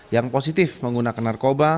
yang positif menggunakan narkoba